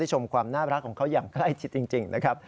ชมความน่ารักของเขาอย่างใกล้ชิดจริงนะครับ